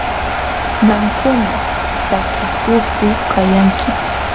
¿qamkuna takiykuqku kayanki?